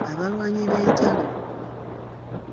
Abalwanyi b'entalo.